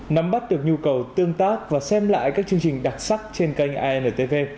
nắm bắt được nhu cầu tương tác và xem lại các chương trình đặc sắc trên kênh intv